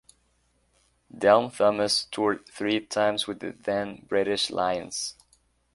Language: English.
Delme Thomas toured three times with the then-British Lions.